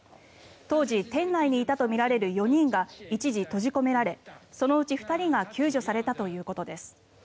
当時店内にいたとみられる４人が一時、閉じ込められそのうち２人が救助されたということです。